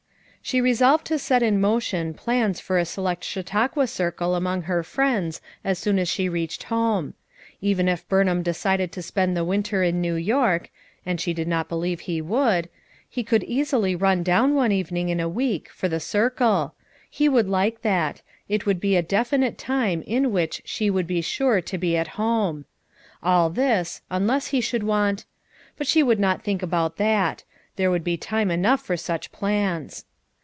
She resolved to set in motion plans for a select Chautauqua Circle among her friends as soon as she reached home. Even if Burn ham decided to spend the winter in New York — and she did not believe he would — he could easily run down one evening in a week for the circle; he would like that; it would be a defi nite time in which she would be sure to be at home. All this, unless he should want — but she would not think about that; there would be time enough for such plans.